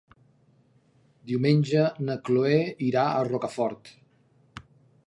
Diumenge na Chloé irà a Rocafort.